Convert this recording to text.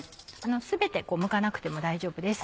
全てむかなくても大丈夫です